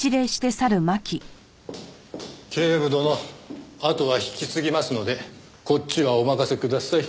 警部殿あとは引き継ぎますのでこっちはお任せください。